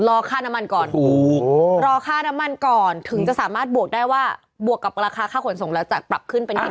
รอค่าน้ำมันก่อนถึงจะสามารถบวกได้ว่าบวกกับราคาค่าขนส่งแล้วจะปรับขึ้นเป็นกี่บาท